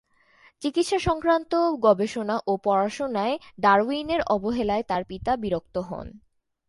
চিকিৎসা সংক্রান্ত গবেষণা ও পড়াশোনায় ডারউইনের অবহেলায় তার পিতা বিরক্ত হন।